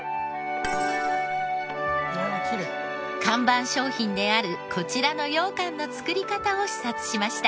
看板商品であるこちらのようかんの作り方を視察しました。